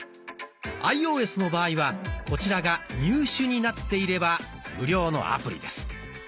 アイオーエスの場合はこちらが「入手」になっていれば無料のアプリです。